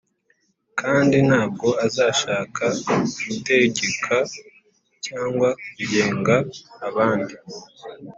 kandi ntabwo azashaka gutegeka cyangwa kugenga abandi.